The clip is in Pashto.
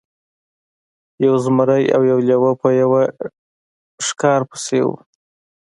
یو زمری او یو لیوه په یوه ښکار پسې وو.